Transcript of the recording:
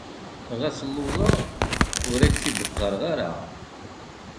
Ɣas lluẓeɣ, ur ak-t-id-qqareɣ ara.